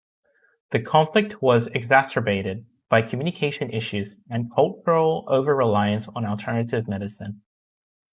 The conflict was exacerbated by communication issues and cultural over-reliance on alternative medicine.